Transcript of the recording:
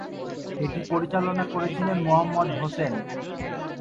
এটি পরিচালনা করেছিলেন মোহাম্মদ হোসেন।